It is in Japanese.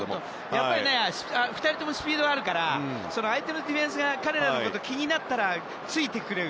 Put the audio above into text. やっぱり２人ともスピードがあるから相手のディフェンスが彼らのことを気になったらついてくれる。